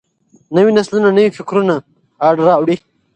نوي نسلونه نوي فکرونه راوړي.